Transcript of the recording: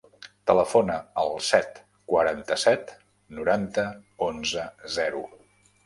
Telefona al set, quaranta-set, noranta, onze, zero.